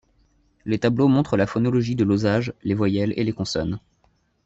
Les tableaux montrent la phonologie de l'osage, les voyelles et les consonnes.